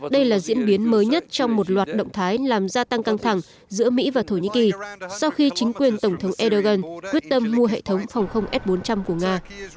đây là diễn biến mới nhất trong một loạt động thái làm gia tăng căng thẳng giữa mỹ và thổ nhĩ kỳ sau khi chính quyền tổng thống erdogan quyết tâm mua hệ thống phòng không s bốn trăm linh của nga